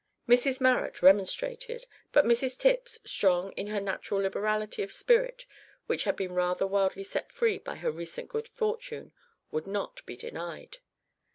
Mrs Marrot remonstrated, but Mrs Tipps, strong in her natural liberality of spirit which had been rather wildly set free by her recent good fortune, would not be denied.